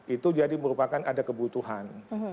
itu jadi merupakan ada kebutuhan